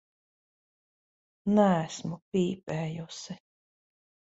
Neesmu pīpējusi.